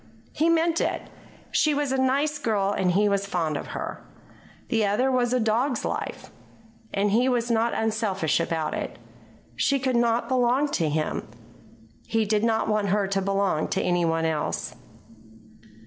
He meant it. She was a nice girl and he was fond of her. The other was a dog's life. And he was not unselfish about it. She could not belong to him. He did not want her to belong to any one else.